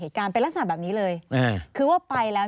เพราะว่าตอนแรกมีการพูดถึงนิติกรคือฝ่ายกฎหมาย